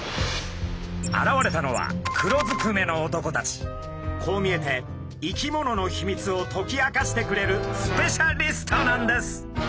現れたのはこう見えて生き物のヒミツを解き明かしてくれるスペシャリストなんです。